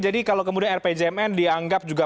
jadi kalau kemudian rpjmn dianggap juga